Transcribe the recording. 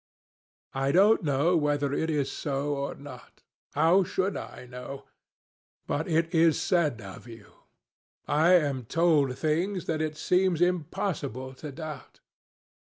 I don't know whether it is so or not. How should I know? But it is said of you. I am told things that it seems impossible to doubt.